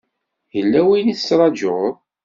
Yella win i tettṛajuḍ?